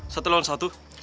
satu lawan satu